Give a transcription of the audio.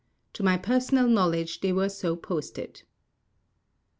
To my personal knowledge they were so posted.